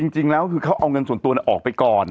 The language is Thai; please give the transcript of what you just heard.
จริงแล้วคือเขาเอาเงินส่วนตัวออกไปก่อน